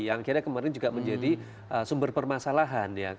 yang akhirnya kemarin juga menjadi sumber permasalahan ya